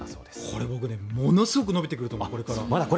これ、僕ねものすごく伸びてくると思うこれから。